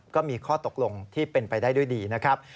ก็มีข้อตกลงที่เป็นไปได้ด้วยดีนะครับ